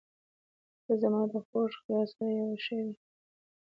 • ته زما د خوږ خیال سره یوه شوې.